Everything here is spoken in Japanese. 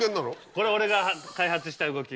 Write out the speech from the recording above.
これ俺が開発した動き